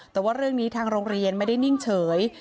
แต่ว่าเรื่องนี้ทางโรงเรียนไม่ได้นิ่งเฉย